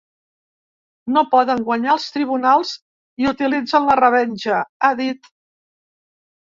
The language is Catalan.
No poden guanyar als tribunals i utilitzen la revenja, ha dit.